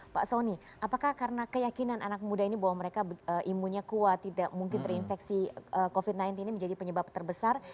pak soni apakah karena keyakinan anak muda ini bahwa mereka imunnya kuat tidak mungkin terinfeksi covid sembilan belas ini menjadi penyebab terbesar